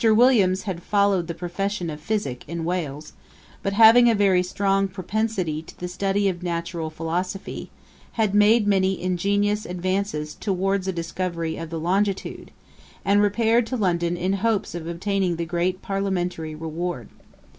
Williams had followed the profession of physick in Wales; but having a very strong propensity to the study of natural philosophy, had made many ingenious advances towards a discovery of the longitude, and repaired to London in hopes of obtaining the great parliamentary reward.